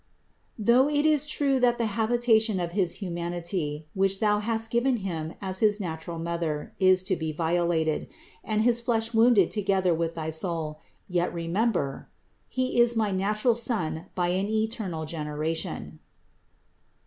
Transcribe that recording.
Though it is true that the habitation of his humanity, which thou hast given Him as his natural Mother, is to be violated, and his flesh wounded together with thy soul, yet re member: He is my natural Son by an eternal genera tion (Ps.